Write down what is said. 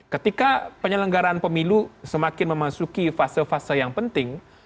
ketika penyelenggaraan pemilu semakin memasuki fase fase yang penting